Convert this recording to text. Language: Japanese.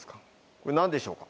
これ何でしょうか？